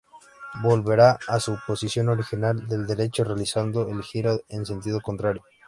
Volverá a su posición original, del derecho, realizando el giro en sentido contrario.